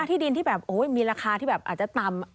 ที่ดินที่แบบมีราคาที่แบบอาจจะต่ำ